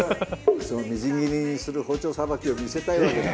そのみじん切りにする包丁さばきを見せたいわけだ？